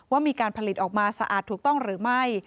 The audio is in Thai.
ว่ามีการผลิตออกมาสะอาดถูกต้องหรือไม่